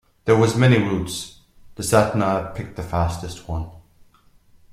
There were many routes, the sat-nav picked the fastest one.